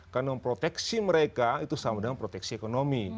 karena memproteksi mereka itu sama dengan memproteksi ekonomi